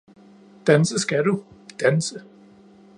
Danse skal du, danse